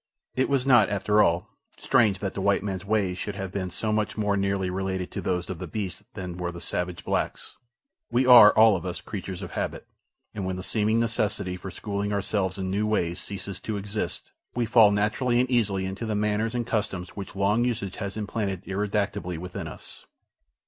It was not, after all, strange that the white man's ways should have been so much more nearly related to those of the beasts than were the savage blacks. We are, all of us, creatures of habit, and when the seeming necessity for schooling ourselves in new ways ceases to exist, we fall naturally and easily into the manners and customs which long usage has implanted ineradicably within us.